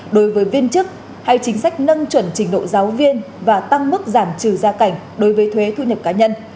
đối với viên chức hay chính sách nâng chuẩn trình độ giáo viên và tăng mức giảm trừ gia cảnh đối với thuế thu nhập cá nhân